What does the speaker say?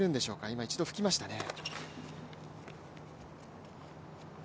今、一度拭きましたね。